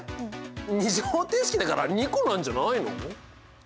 ２次方程式だから２個なんじゃないの？